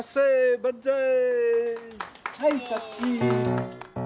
ばんざい！